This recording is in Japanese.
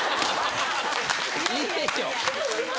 いいでしょ。